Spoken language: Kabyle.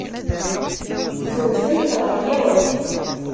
Tewtem-t ɣer yiɣef.